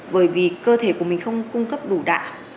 bởi vì cơ thể của mình không cung cấp đủ đạ